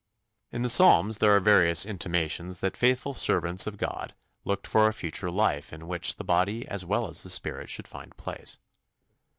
" In the Psalms there are various intimations that faithful servants of God looked for a future life in which the body as well as the spirit should find place.